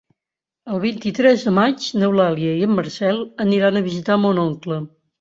El vint-i-tres de maig n'Eulàlia i en Marcel aniran a visitar mon oncle.